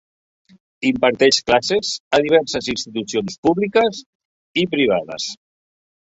Imparteix classes a diverses institucions públiques i privades.